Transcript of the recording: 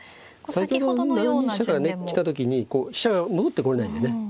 先ほどの７二飛車からね来た時にこう飛車が戻ってこれないんでね。